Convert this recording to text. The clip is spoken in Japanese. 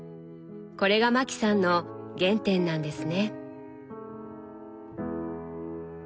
これがマキさんの原点なんですね。